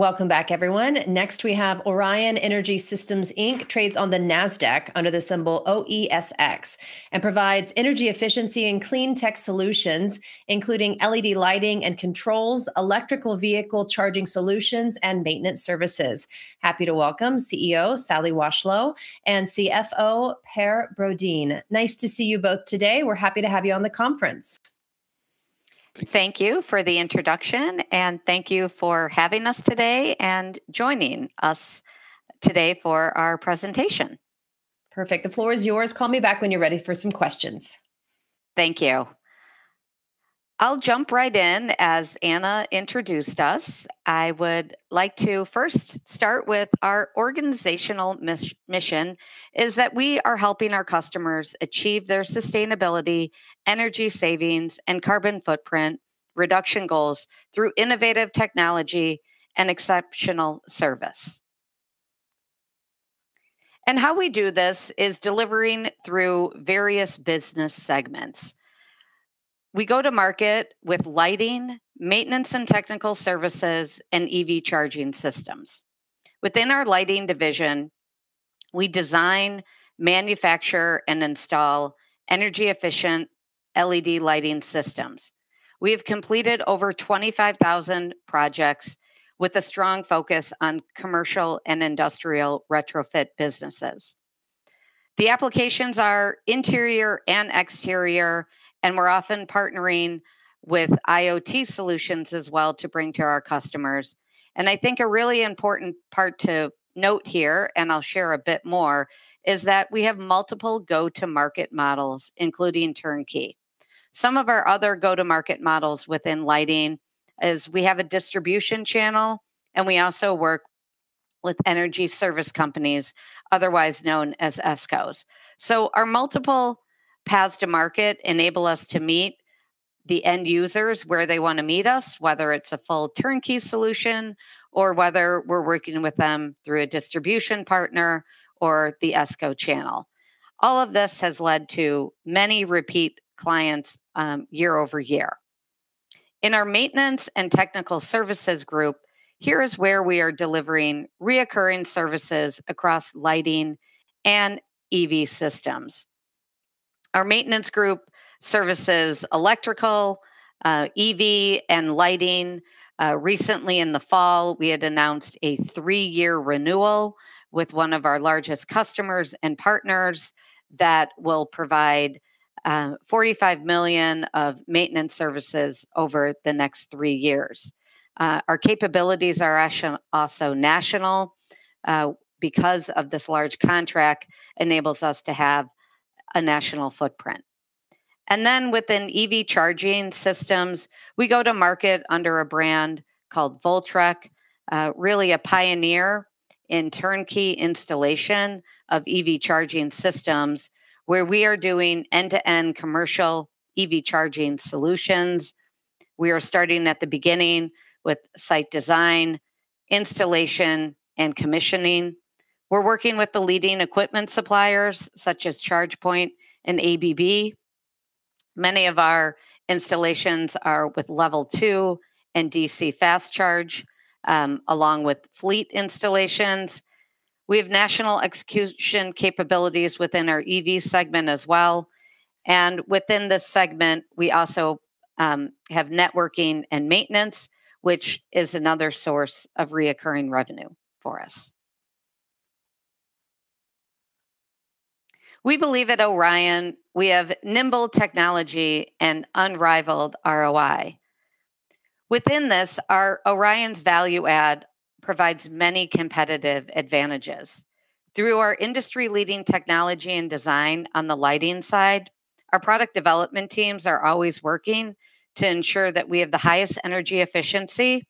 Welcome back, everyone. Next, we have Orion Energy Systems, Inc., trades on the Nasdaq under the symbol OESX, provides energy efficiency and clean tech solutions, including LED lighting and controls, electrical vehicle charging solutions, and maintenance services. Happy to welcome CEO, Sally Washlow, and CFO, Per Brodin. Nice to see you both today. We're happy to have you on the conference. Thank you for the introduction, and thank you for having us today and joining us today for our presentation. Perfect. The floor is yours. Call me back when you're ready for some questions. Thank you. I'll jump right in. As Ana introduced us, I would like to first start with our organizational mission, is that we are helping our customers achieve their sustainability, energy savings, and carbon footprint reduction goals through innovative technology and exceptional service. How we do this is delivering through various business segments. We go to market with lighting, maintenance and technical services, and EV charging systems. Within our lighting division, we design, manufacture, and install energy-efficient LED lighting systems. We have completed over 25,000 projects with a strong focus on commercial and industrial retrofit businesses. The applications are interior and exterior, and we're often partnering with IoT solutions as well to bring to our customers. I think a really important part to note here, and I'll share a bit more, is that we have multiple go-to-market models, including turnkey. Some of our other go-to-market models within lighting is we have a distribution channel, and we also work with Energy Service Companies, otherwise known as ESCOs. Our multiple paths to market enable us to meet the end users where they want to meet us, whether it's a full turnkey solution or whether we're working with them through a distribution partner or the ESCO channel. All of this has led to many repeat clients, year over year. In our maintenance and technical services group, here is where we are delivering reoccurring services across lighting and EV systems. Our maintenance group services electrical, EV, and lighting. Recently in the fall, we had announced a three-year renewal with one of our largest customers and partners that will provide $45 million of maintenance services over the next three years. Our capabilities are actually also national because of this large contract enables us to have a national footprint. Within EV charging systems, we go to market under a brand called Voltrek, really a pioneer in turnkey installation of EV charging systems, where we are doing end-to-end commercial EV charging solutions. We are starting at the beginning with site design, installation, and commissioning. We're working with the leading equipment suppliers, such as ChargePoint and ABB. Many of our installations are with Level two and DC Fast Charging along with fleet installations. We have national execution capabilities within our EV segment as well, and within this segment, we also have networking and maintenance, which is another source of recurring revenue for us. We believe at Orion, we have nimble technology and unrivaled ROI. Within this, our Orion's value add provides many competitive advantages. Through our industry-leading technology and design on the lighting side, our product development teams are always working to ensure that we have the highest energy efficiency.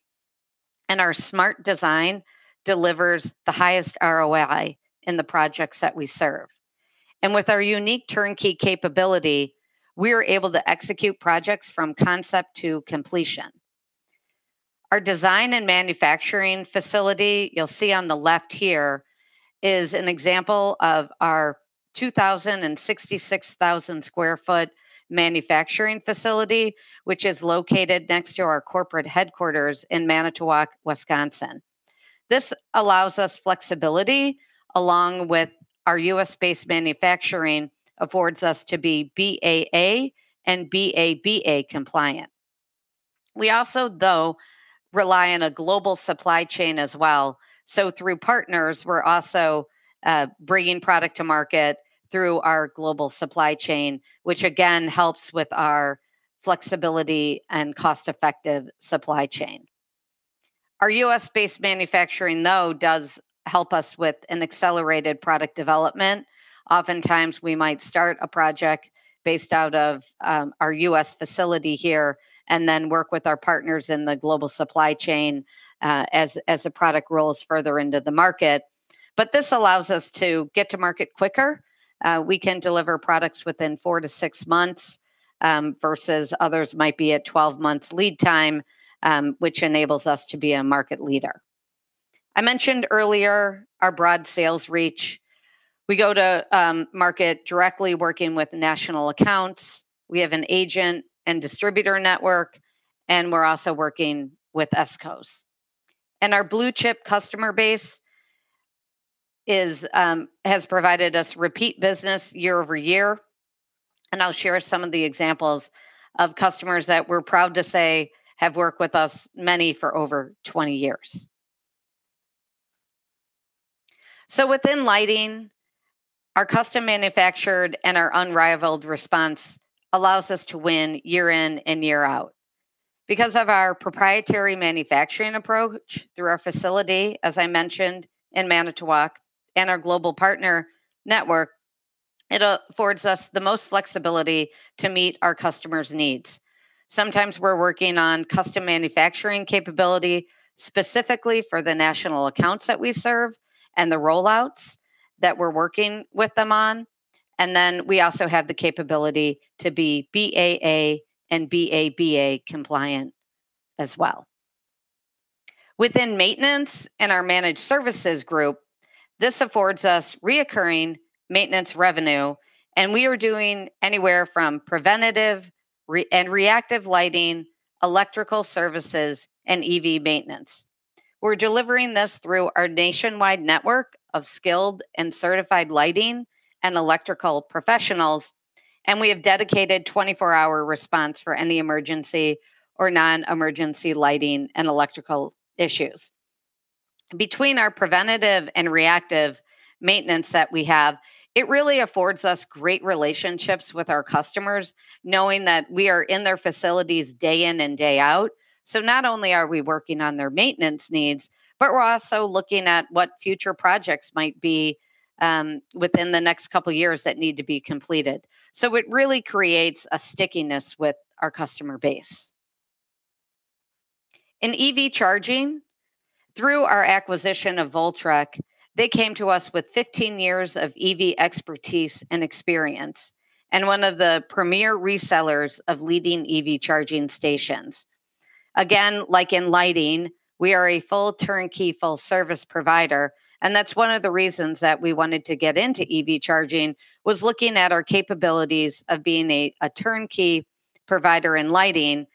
Our smart design delivers the highest ROI in the projects that we serve. With our unique turnkey capability, we are able to execute projects from concept to completion. Our design and manufacturing facility, you'll see on the left here, is an example of our 266,000 sq ft manufacturing facility, which is located next to our corporate headquarters in Manitowoc, Wisconsin. This allows us flexibility, along with our U.S.-based manufacturing affords us to be BAA and BABA compliant. We also, though, rely on a global supply chain as well. Through partners, we're also bringing product to market through our global supply chain, which again, helps with our flexibility and cost-effective supply chain. Our US-based manufacturing, though, does help us with an accelerated product development. Oftentimes, we might start a project based out of our US facility here and then work with our partners in the global supply chain as the product rolls further into the market. This allows us to get to market quicker. We can deliver products within four to six months versus others might be at 12 months lead time, which enables us to be a market leader. I mentioned earlier our broad sales reach. We go to market directly working with national accounts. We have an agent and distributor network, and we're also working with ESCOs. Our blue-chip customer base has provided us repeat business year over year, and I'll share some of the examples of customers that we're proud to say have worked with us, many for over 20 years. Within lighting, our custom manufactured and our unrivaled response allows us to win year in and year out. Because of our proprietary manufacturing approach through our facility, as I mentioned, in Manitowoc and our global partner network, it affords us the most flexibility to meet our customers' needs. Sometimes we're working on custom manufacturing capability, specifically for the national accounts that we serve and the rollouts that we're working with them on, and then we also have the capability to be BAA and BABA compliant as well. Within maintenance and our managed services group, this affords us recurring maintenance revenue, we are doing anywhere from preventative and reactive lighting, electrical services, and EV maintenance. We're delivering this through our nationwide network of skilled and certified lighting and electrical professionals, we have dedicated 24-hour response for any emergency or non-emergency lighting and electrical issues. Between our preventative and reactive maintenance that we have, it really affords us great relationships with our customers, knowing that we are in their facilities day in and day out. Not only are we working on their maintenance needs, but we're also looking at what future projects might be within the next couple of years that need to be completed. It really creates a stickiness with our customer base. In EV charging, through our acquisition of Voltrek, they came to us with 15 years of EV expertise and experience, and one of the premier resellers of leading EV charging stations. Again, like in lighting, we are a full turnkey, full service provider, and that's one of the reasons that we wanted to get into EV charging, was looking at our capabilities of being a turnkey provider in lighting.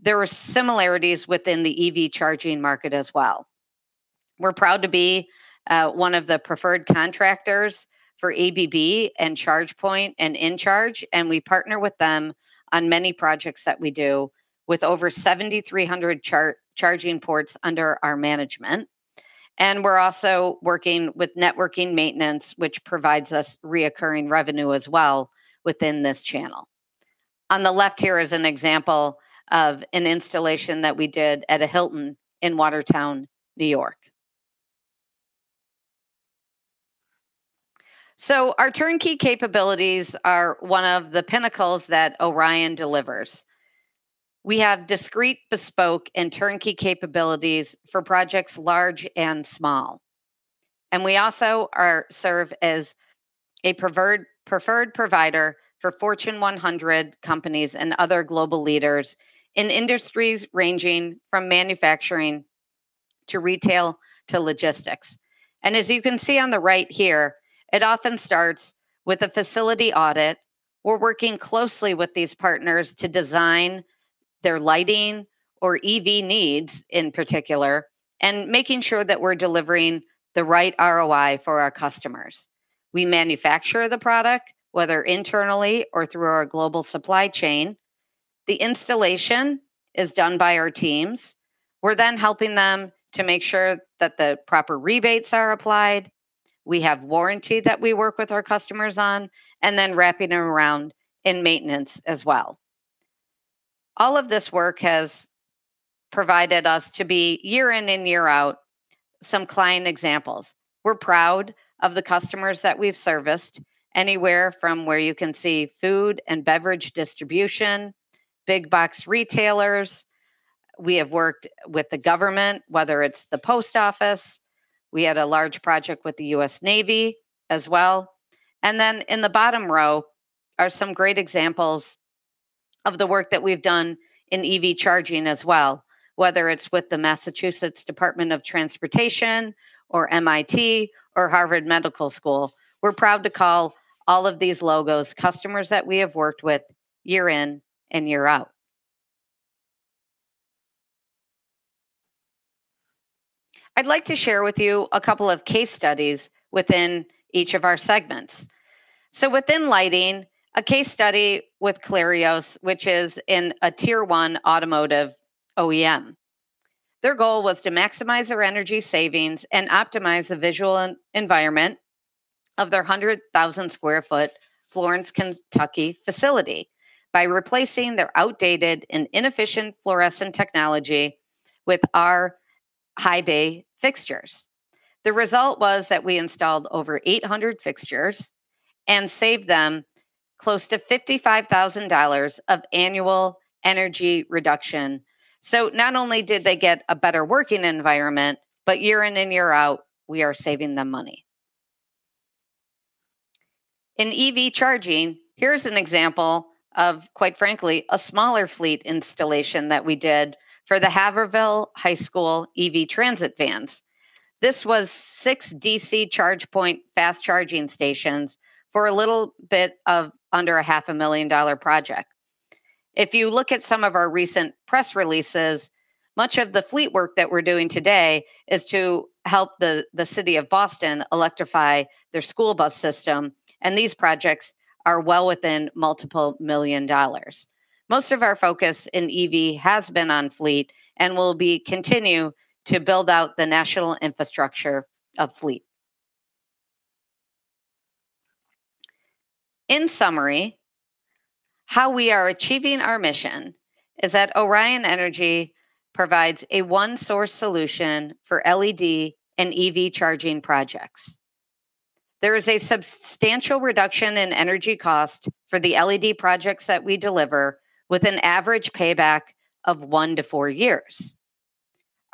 There were similarities within the EV charging market as well. We're proud to be one of the preferred contractors for ABB and ChargePoint and In-Charge Energy, and we partner with them on many projects that we do with over 7,300 charging ports under our management. We're also working with networking maintenance, which provides us reoccurring revenue as well within this channel. On the left here is an example of an installation that we did at a Hilton in Watertown, New York. Our turnkey capabilities are one of the pinnacles that Orion delivers. We have discrete, bespoke, and turnkey capabilities for projects large and small. We also serve as a preferred provider for Fortune 100 companies and other global leaders in industries ranging from manufacturing to retail to logistics. As you can see on the right here, it often starts with a facility audit. We're working closely with these partners to design their lighting or EV needs in particular, and making sure that we're delivering the right ROI for our customers. We manufacture the product, whether internally or through our global supply chain. The installation is done by our teams. We're then helping them to make sure that the proper rebates are applied. We have warranty that we work with our customers on, and then wrapping them around in maintenance as well. All of this work has provided us to be year in and year out some client examples. We're proud of the customers that we've serviced, anywhere from where you can see food and beverage distribution, big box retailers. We have worked with the government, whether it's the post office. We had a large project with the US Navy as well. In the bottom row are some great examples of the work that we've done in EV charging as well, whether it's with the Massachusetts Department of Transportation or MIT or Harvard Medical School. We're proud to call all of these logos customers that we have worked with year in and year out. I'd like to share with you a couple of case studies within each of our segments. Within lighting, a case study with Clarios, which is in a tier one automotive OEM. Their goal was to maximize their energy savings and optimize the visual environment of their 100,000 sq ft Florence, Kentucky, facility by replacing their outdated and inefficient fluorescent technology with our high bay fixtures. The result was that we installed over 800 fixtures and saved them close to $55,000 of annual energy reduction. Not only did they get a better working environment, but year in and year out, we are saving them money. In EV charging, here's an example of, quite frankly, a smaller fleet installation that we did for the Haverhill Public Schools EV transit vans. This was six DC ChargePoint fast charging stations for a little bit of under a half a million dollar project. If you look at some of our recent press releases, much of the fleet work that we're doing today is to help the city of Boston electrify their school bus system. These projects are well within multiple million dollars. Most of our focus in EV has been on fleet and will be continue to build out the national infrastructure of fleet. In summary, how we are achieving our mission is that Orion Energy provides a one-source solution for LED and EV charging projects. There is a substantial reduction in energy cost for the LED projects that we deliver, with an average payback of one to four years.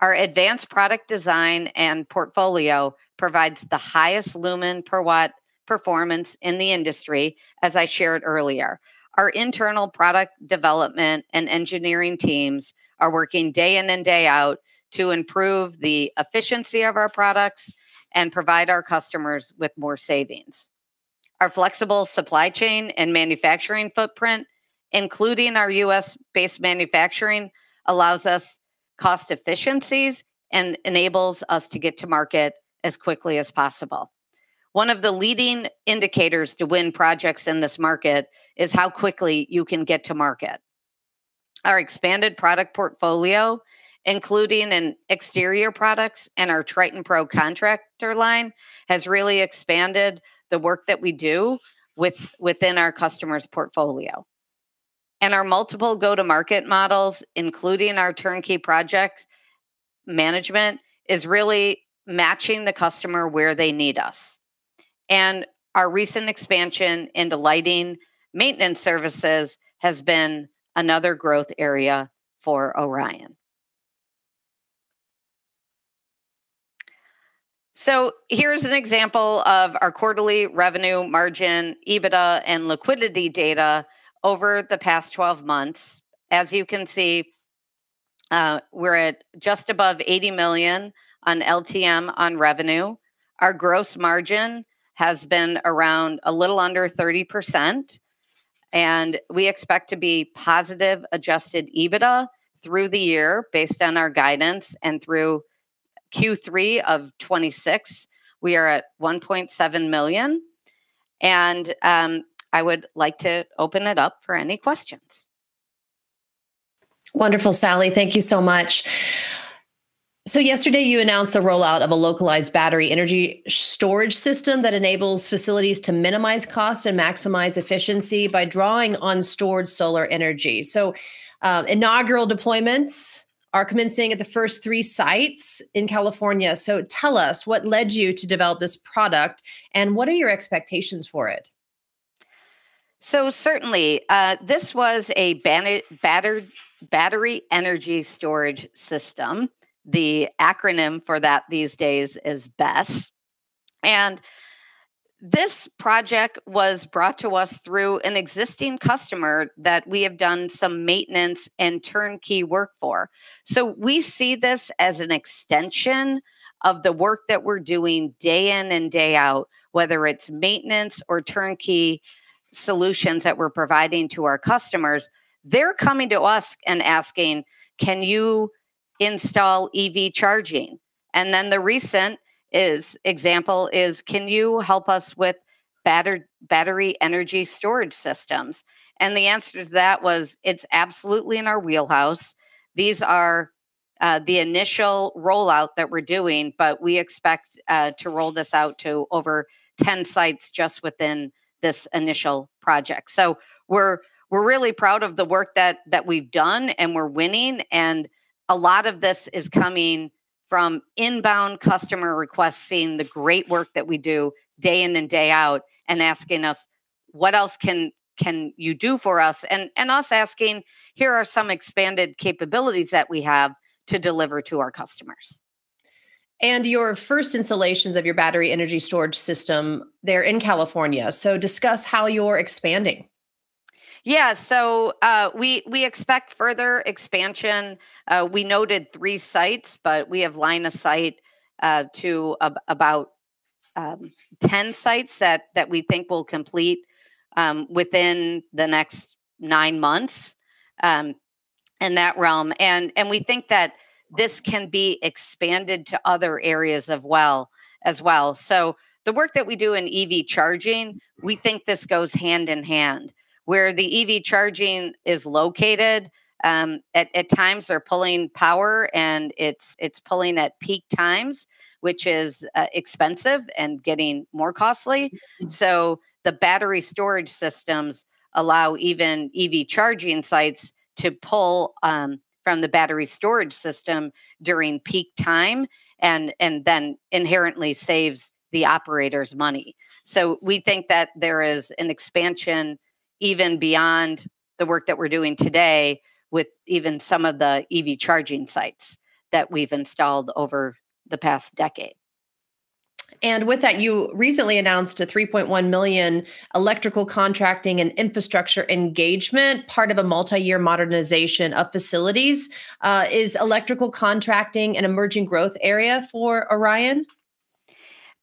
Our advanced product design and portfolio provides the highest lumen per watt performance in the industry, as I shared earlier. Our internal product development and engineering teams are working day in and day out to improve the efficiency of our products and provide our customers with more savings. Our flexible supply chain and manufacturing footprint, including our U.S.-based manufacturing, allows us cost efficiencies and enables us to get to market as quickly as possible. One of the leading indicators to win projects in this market is how quickly you can get to market. Our expanded product portfolio, including in exterior products and our TritonPro contractor line, has really expanded the work that we do within our customer's portfolio. Our multiple go-to-market models, including our turnkey project management, is really matching the customer where they need us. Our recent expansion into lighting maintenance services has been another growth area for Orion. Here's an example of our quarterly revenue margin, EBITDA, and liquidity data over the past 12 months. As you can see, we're at just above $80 million on LTM on revenue. Our gross margin has been around a little under 30%, and we expect to be positive adjusted EBITDA through the year based on our guidance and through Q3 of 2024, we are at $1.7 million. I would like to open it up for any questions. Wonderful, Sally. Thank you so much. Yesterday, you announced the rollout of a localized battery energy storage system that enables facilities to minimize cost and maximize efficiency by drawing on stored solar energy. Inaugural deployments are commencing at the first three sites in California. Tell us, what led you to develop this product, and what are your expectations for it? Certainly, this was a battery energy storage system. The acronym for that these days is BESS. This project was brought to us through an existing customer that we have done some maintenance and turnkey work for. We see this as an extension of the work that we're doing day in and day out, whether it's maintenance or turnkey solutions that we're providing to our customers. They're coming to us and asking: "Can you install EV charging?" The recent example is: "Can you help us with battery energy storage systems?" The answer to that was, it's absolutely in our wheelhouse. These are the initial rollout that we're doing, but we expect to roll this out to over 10 sites just within this initial project. We're really proud of the work that we've done. We're winning. A lot of this is coming from inbound customer requests, seeing the great work that we do day in and day out, asking us: "What else can you do for us?" Us asking, "Here are some expanded capabilities that we have to deliver to our customers. Your first installations of your battery energy storage system, they're in California, so discuss how you're expanding. Yeah. We expect further expansion. We noted three sites, but we have line of sight to about 10 sites that we think will complete within the next nine months in that realm. We think that this can be expanded to other areas as well. The work that we do in EV charging, we think this goes hand in hand, where the EV charging is located, at times they're pulling power, and it's pulling at peak times, which is expensive and getting more costly. The battery storage systems allow even EV charging sites to pull from the battery storage system during peak time and then inherently saves the operators money. We think that there is an expansion... even beyond the work that we're doing today with even some of the EV charging sites that we've installed over the past decade. With that, you recently announced a $3.1 million electrical contracting and infrastructure engagement, part of a multi-year modernization of facilities. Is electrical contracting an emerging growth area for Orion?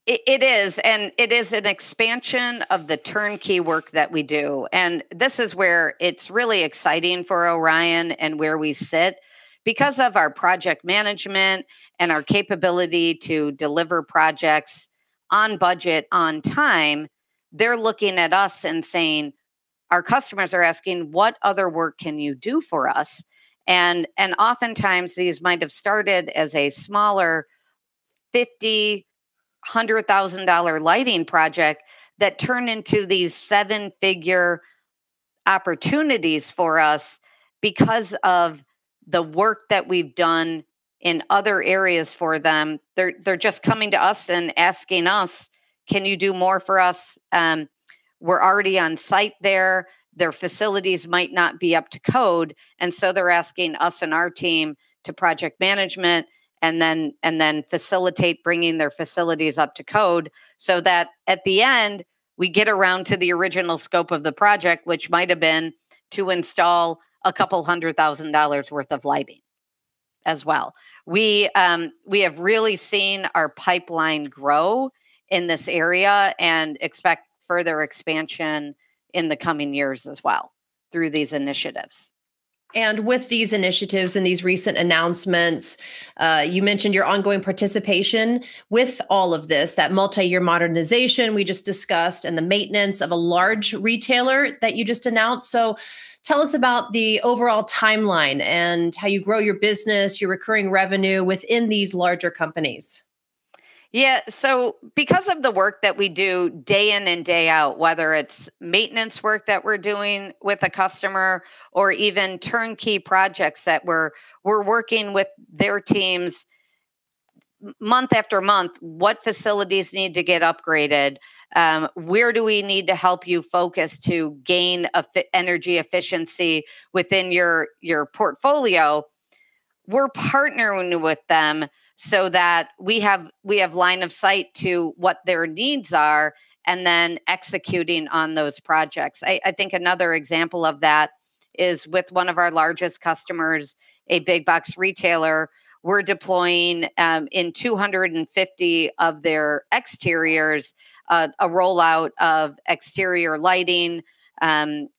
It is, and it is an expansion of the turnkey work that we do. This is where it's really exciting for Orion and where we sit. Because of our project management and our capability to deliver projects on budget, on time, they're looking at us and saying, "Our customers are asking, 'What other work can you do for us?'" Oftentimes, these might have started as a smaller $50,000, $100,000 lighting project that turned into these seven-figure opportunities for us because of the work that we've done in other areas for them. They're just coming to us and asking us, "Can you do more for us?" We're already on site there. Their facilities might not be up to code. They're asking us and our team to project management, and then facilitate bringing their facilities up to code so that at the end, we get around to the original scope of the project, which might have been to install a couple hundred thousand dollars worth of lighting as well. We have really seen our pipeline grow in this area and expect further expansion in the coming years as well through these initiatives. With these initiatives and these recent announcements, you mentioned your ongoing participation with all of this, that multi-year modernization we just discussed and the maintenance of a large retailer that you just announced. Tell us about the overall timeline and how you grow your business, your recurring revenue within these larger companies? Yeah, because of the work that we do day in and day out, whether it's maintenance work that we're doing with a customer or even turnkey projects that we're working with their teams month after month, what facilities need to get upgraded? Where do we need to help you focus to gain energy efficiency within your portfolio? We're partnering with them so that we have line of sight to what their needs are, executing on those projects. I think another example of that is with one of our largest customers, a big box retailer, we're deploying in 250 of their exteriors a rollout of exterior lighting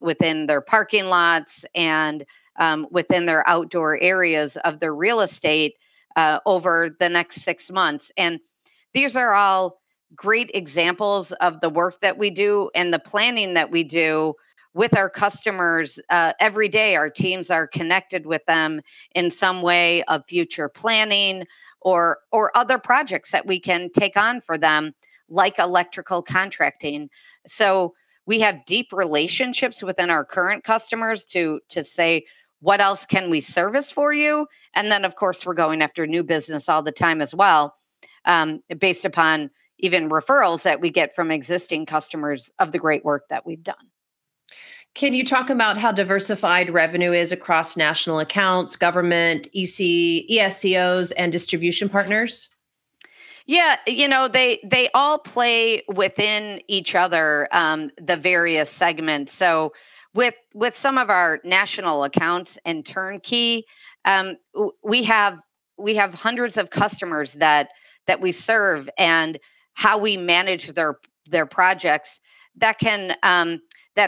within their parking lots and within their outdoor areas of their real estate over the next six months. These are all great examples of the work that we do and the planning that we do with our customers. Every day, our teams are connected with them in some way of future planning or other projects that we can take on for them, like electrical contracting. We have deep relationships within our current customers to say, "What else can we service for you?" Of course, we're going after new business all the time as well, based upon even referrals that we get from existing customers of the great work that we've done. Can you talk about how diversified revenue is across national accounts, government, ESCOs, and distribution partners? Yeah, you know, they all play within each other, the various segments. With some of our national accounts and turnkey, we have hundreds of customers that we serve, and how we manage their projects, that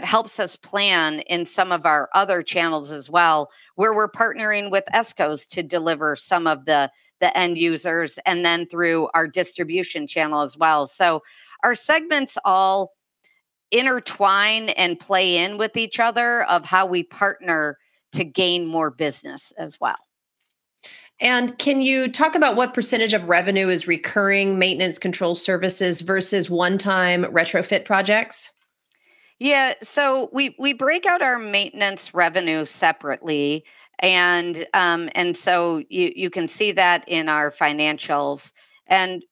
helps us plan in some of our other channels as well, where we're partnering with ESCOs to deliver some of the end users, and then through our distribution channel as well. Our segments all intertwine and play in with each other of how we partner to gain more business as well. Can you talk about what % of revenue is recurring maintenance control services versus one-time retrofit projects? We break out our maintenance revenue separately, and so you can see that in our financials.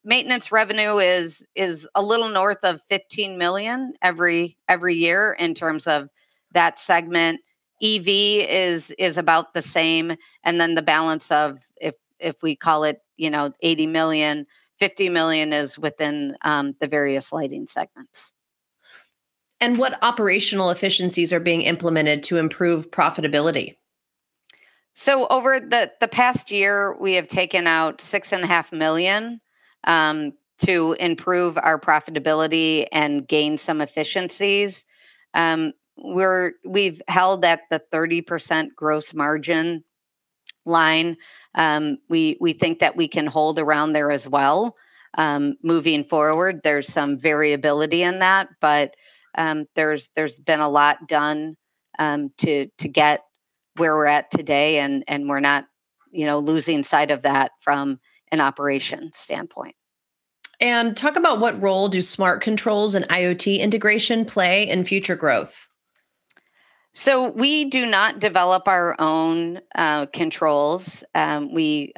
Maintenance revenue is a little north of $15 million every year in terms of that segment. EV is about the same, and then the balance of if we call it, you know, $80 million, $50 million is within the various lighting segments. What operational efficiencies are being implemented to improve profitability? Over the past year, we have taken out $6.5 million to improve our profitability and gain some efficiencies. We've held at the 30% gross margin line. We think that we can hold around there as well. Moving forward, there's some variability in that, but there's been a lot done to get where we're at today, and we're not, you know, losing sight of that from an operation standpoint. Talk about what role do smart controls and IoT integration play in future growth? We do not develop our own controls. We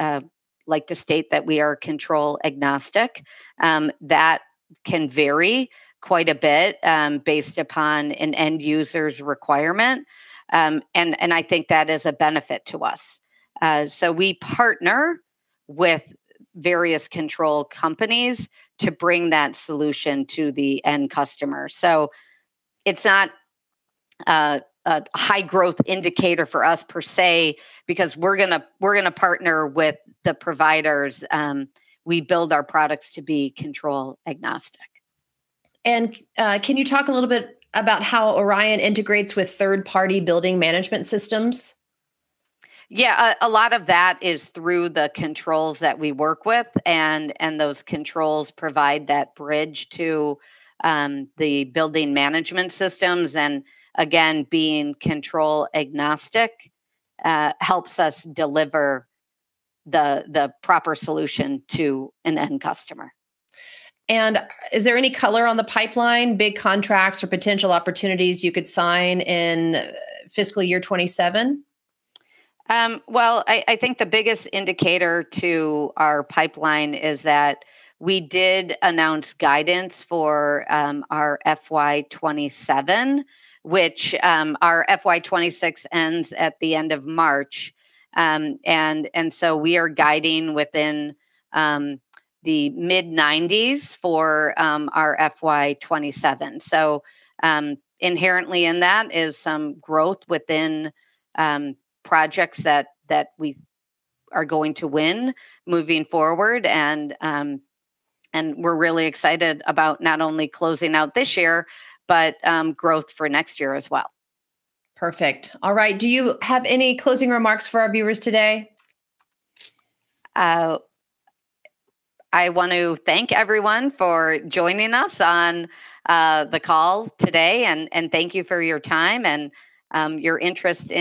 like to state that we are control agnostic. That can vary quite a bit, based upon an end user's requirement, and I think that is a benefit to us. We partner with various control companies to bring that solution to the end customer. It's not a high growth indicator for us per se, because we're gonna partner with the providers. We build our products to be control agnostic. Can you talk a little bit about how Orion integrates with third-party building management systems? Yeah, a lot of that is through the controls that we work with, and those controls provide that bridge to the building management systems, and again, being control agnostic, helps us deliver the proper solution to an end customer. Is there any color on the pipeline, big contracts or potential opportunities you could sign in fiscal year 2027? Well, I think the biggest indicator to our pipeline is that we did announce guidance for our FY27, which our FY26 ends at the end of March. We are guiding within the mid-nineties for our FY27. Inherently in that is some growth within projects that we are going to win moving forward, and we're really excited about not only closing out this year, but growth for next year as well. Perfect. All right. Do you have any closing remarks for our viewers today? I want to thank everyone for joining us on the call today, and thank you for your time and your interest.